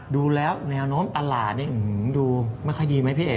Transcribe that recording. ดูแล้วแนวโน้มตลาดนี่ดูไม่ค่อยดีไหมพี่เอก